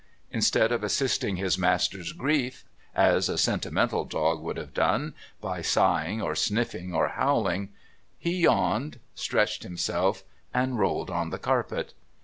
Instead of assisting his master's grief, as a sentimental dog would have done, by sighing or sniffing or howling, he yawned, stretched himself, and rolled on the carpet.